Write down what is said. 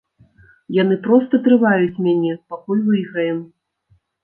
Яны проста трываюць мяне, пакуль выйграем.